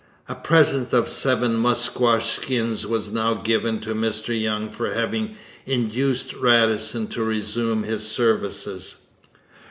A present of seven musquash skins was now given Mr Young for having induced Radisson to resume his services.